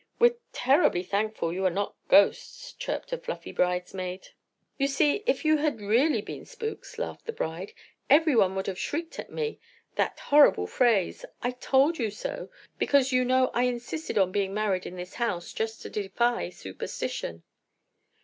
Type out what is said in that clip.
"We're terribly thankful you are not ghosts," chirped a fluffy bridesmaid. "You see if you had really been spooks," laughed the bride, "everyone would have shrieked at me that horrible phrase, 'I told you so,' because you know I insisted upon being married in this house, just to defy superstition."